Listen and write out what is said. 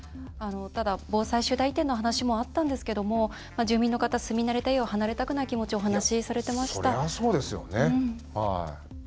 ただ、防災集団移転の話もあったんですけども住民の方住み慣れた家を離れたくない気持ちをそりゃそうですよね。